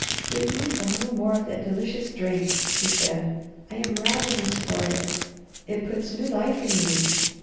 "Give me a little more of that delicious drink," she said. "I am ravenous for it. It puts new life in me.